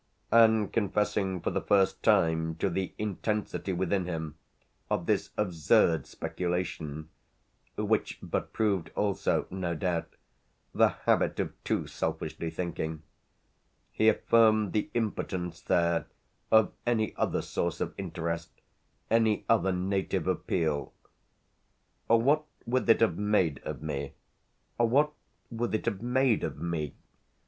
And confessing for the first time to the intensity within him of this absurd speculation which but proved also, no doubt, the habit of too selfishly thinking he affirmed the impotence there of any other source of interest, any other native appeal. "What would it have made of me, what would it have made of me?